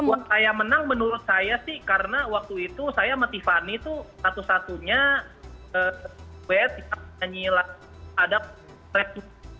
buat saya menang menurut saya sih karena waktu itu saya sama tiffany tuh satu satunya gue tiba tiba nyilat ada rek